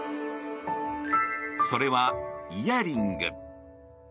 それは、イヤリング。